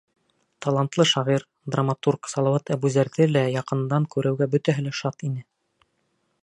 Талантлы шағир, драматург Салауат Әбүзәрҙе лә яҡындан күреүгә бөтәһе лә шат ине.